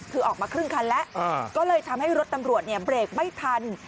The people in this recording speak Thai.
คือออกมาครึ่งคันแล้วก็เลยทำให้รถตำรวจเนี่ยเบรกไม่ทัน